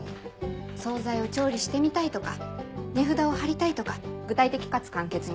総菜を調理してみたいとか値札を貼りたいとか具体的かつ簡潔に。